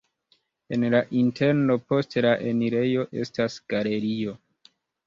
En la interno post la enirejo estas galerio.